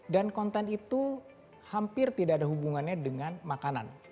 dan konten itu hampir tidak ada hubungannya dengan makanan